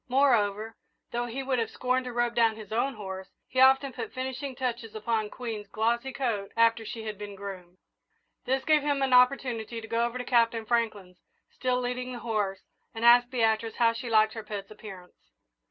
Moreover, though he would have scorned to rub down his own horse, he often put finishing touches upon Queen's glossy coat after she had been groomed. This gave him an opportunity to go over to Captain Franklin's, still leading the horse, and ask Beatrice how she liked her pet's appearance.